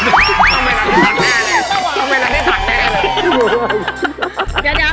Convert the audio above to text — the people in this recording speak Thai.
ต้องบอกทำไมไงได้ถัดแน่เลย